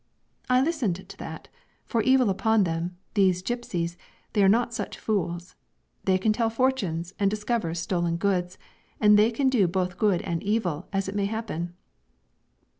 I listened to that, for evil upon them, those gipsies they are not such fools. They can tell fortunes and discover stolen goods, and they can do both good and evil as it may happen.